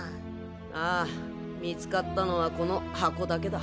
ああ見つかったのはこの箱だけだ。